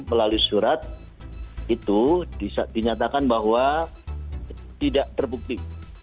melalui surat itu dinyatakan bahwa tidak terbukti